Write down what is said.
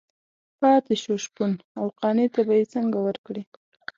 پاتې شو شپون او قانع ته به یې څنګه ورکړي.